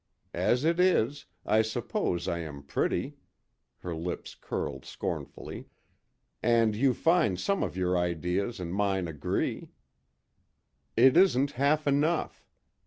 As it is, I suppose I am pretty" her lips curled scornfully "and you find some of your ideas and mine agree. It isn't half enough.